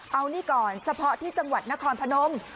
เอานี่ก่อนเฉพาะที่จังหวัดนครพนม